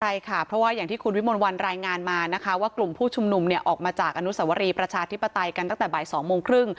ใช่ค่ะเพราะว่าอย่างที่คุณวิมลวันรายงานมานะคะว่ากลุ่มผู้ชุมนุมเนี่ยออกมาจากอนุสวรีประชาธิปไตยกันตั้งแต่บ่าย๒โมงครึ่ง